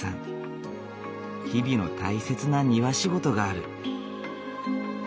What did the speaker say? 日々の大切な庭仕事がある。